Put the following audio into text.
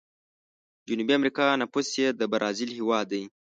جنوبي امريکا نفوس یې د برازیل هیواد دی.